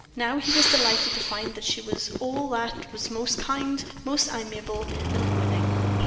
Now he was delighted to find that she was all that was most kind, most amiable, and winning.